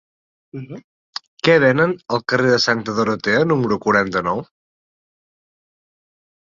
Què venen al carrer de Santa Dorotea número quaranta-nou?